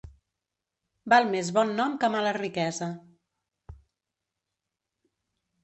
Val més bon nom que mala riquesa.